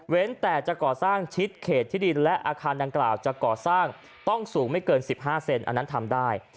แต่จะก่อสร้างชิดเขตที่ดินและอาคารดังกล่าวจะก่อสร้างต้องสูงไม่เกิน๑๕เซนอันนั้นทำได้